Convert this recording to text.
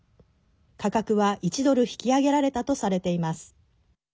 価格は１ドル引き上げられたとされています。